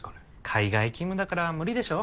海外勤務だから無理でしょ？